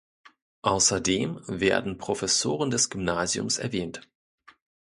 Außerdem werden Professoren des Gymnasiums erwähnt.